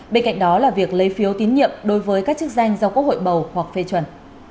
bên cạnh đó là việc lấy phiếu tín nhiệm đối với các chức danh do quốc hội bầu hoặc phê chuẩn